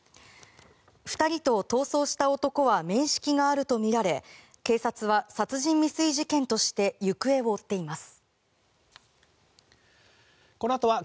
２人と逃走した男は面識があるとみられ警察は殺人未遂事件として行方を追っています。